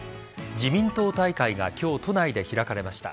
自民党大会が今日都内で開かれました。